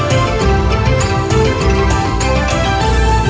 โชว์สี่ภาคจากอัลคาซ่าครับ